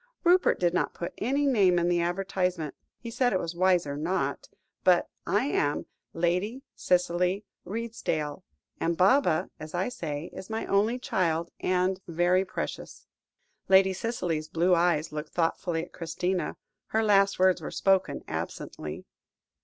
"Rupert did not put any name in the advertisement; he said it was wiser not but I am Lady Cicely Redesdale, and Baba, as I say, is my only child, and very precious." Lady Cicely's blue eyes looked thoughtfully at Christina, her last words were spoken absently.